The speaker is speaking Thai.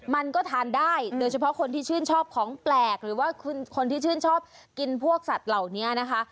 มันก็ทานได้โดยเฉพาะคนที่ชื่นชอบของแปลกหรือว่าคนที่ชื่นชอบกินพวกสัตว์เหล่านี้นะคะ